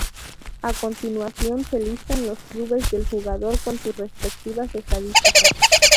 A continuación se listan los clubes del jugador con sus respectivas estadísticas.